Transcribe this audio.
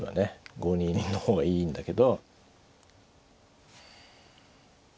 ５二の方がいいんだけど。